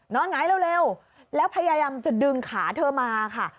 นอนไหนนอนไหนเร็วแล้วพยายามจะดึงขาเธอมาค่ะ